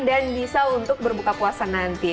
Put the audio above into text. dan bisa untuk berbuka puasa nanti